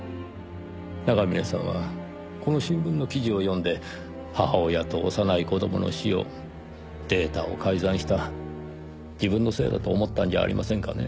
長峰さんはこの新聞の記事を読んで母親と幼い子供の死をデータを改ざんした自分のせいだと思ったんじゃありませんかねぇ。